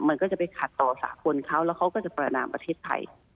มันก็จะไปขัดต่อสากลเขาแล้วเขาก็จะประนามประเทศไทย